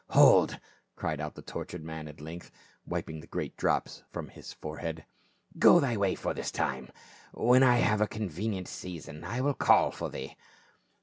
"Hold!" cried out the tortured man at length, wiping the great drops from his forehead, " Go thy way for this time ; when I have a convenient season I will call for thee."